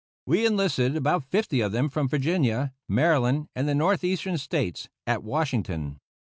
We enlisted about fifty of them from Virginia, Maryland, and the Northeastern States, at Washington.